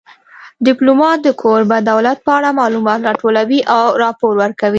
ډیپلومات د کوربه دولت په اړه معلومات راټولوي او راپور ورکوي